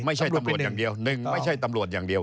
ไม่ใช่ตำรวจอย่างเดียวหนึ่งไม่ใช่ตำรวจอย่างเดียว